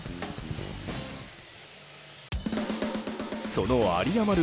その有り余る